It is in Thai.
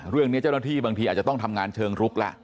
เรื่องนี้เจ้าหน้าที่บางทีอาจจะต้องทำงานเชิงลุกล่ะ